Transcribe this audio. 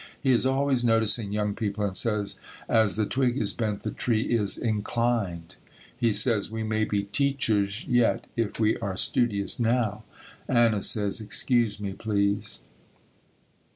He is always noticing young people and says, "As the twig is bent, the tree is inclined." He says we may be teachers yet if we are studious now. Anna says, "Excuse me, please."